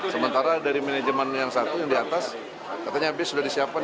sementara dari manajemen yang satu yang di atas katanya bis sudah disiapkan